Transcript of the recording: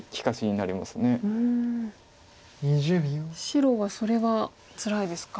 白はそれはつらいですか。